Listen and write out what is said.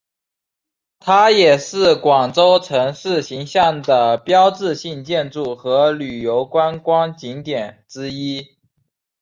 它也是广州城市形象的标志性建筑和旅游观光景点之一。